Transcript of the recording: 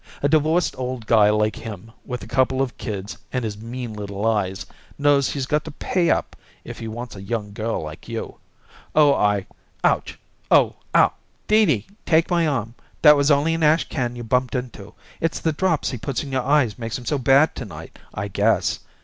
A divorced old guy like him, with a couple of kids and his mean little eyes, knows he's got to pay up if he wants a young girl like you. Oh, I Ouch oh oh!" "Dee Dee, take my arm. That was only an ashcan you bumped into. It's the drops he puts in your eyes makes 'em so bad to night, I guess.